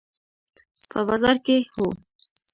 په بازار کې، هو